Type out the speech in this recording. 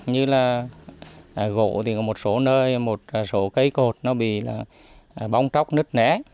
như là gỗ thì có một số nơi một số cây cột nó bị bong tróc nứt nẻ